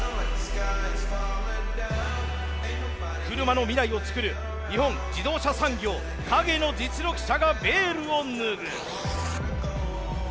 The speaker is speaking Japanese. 車の未来をつくる日本自動車産業陰の実力者がベールを脱ぐ！